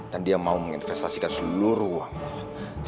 dan dia mau menginvestasikan seluruh uangnya